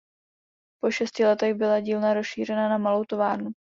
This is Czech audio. Po šesti letech byla dílna rozšířena na malou továrnu.